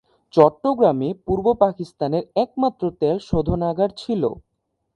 চট্টগ্রামে পূর্ব পাকিস্তানের একমাত্র তেল শোধনাগার ছিল।